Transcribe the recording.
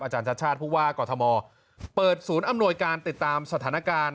ชาติชาติผู้ว่ากอทมเปิดศูนย์อำนวยการติดตามสถานการณ์